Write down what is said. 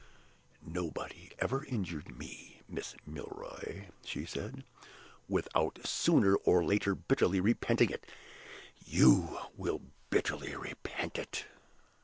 'Nobody ever yet injured me, Miss Milroy,' she said, 'without sooner or later bitterly repenting it. You will bitterly repent it.